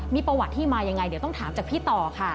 มีประวัติที่มายังไงเดี๋ยวต้องถามจากพี่ต่อค่ะ